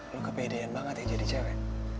lo kepedean banget ya jadi cewe